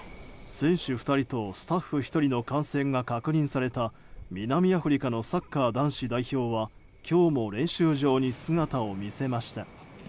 選手２人とスタッフ１人の感染が確認された南アフリカのサッカー男子代表は今日も練習場に姿を見せました。